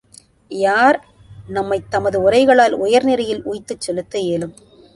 யார் நம்மைத் தமது உரைகளால் உயர் நெறியில் உய்த்துச் செலுத்த இயலும்!